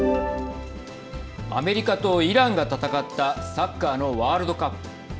アメリカとイランが戦ったサッカーのワールドカップ。